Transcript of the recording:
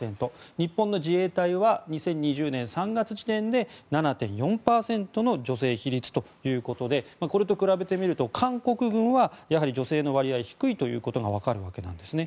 日本の自衛隊は２０２０年３月時点で７．４％の女性比率ということでこれと比べてみると韓国軍はやはり女性の割合が低いことがわかるわけですね。